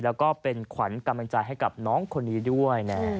แล้วก็เป็นขวัญกำลังใจให้กับน้องคนนี้ด้วยนะ